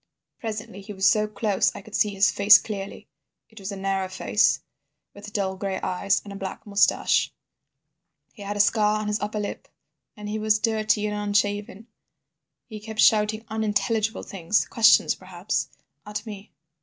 "Presently he was so close I could see his face clearly. It was a narrow face, with dull gray eyes, and a black moustache. He had a scar on his upper lip, and he was dirty and unshaven. He kept shouting unintelligible things, questions, perhaps, at me.